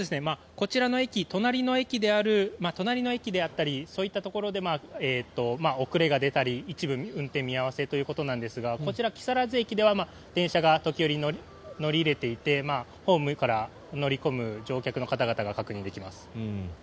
こちらの駅、隣の駅であったりそういったところで遅れが出たり一部、運転見合わせということなんですがこちら、木更津駅では電車が時折、乗り入れていてホームから乗り込む乗客の方々が確認できます。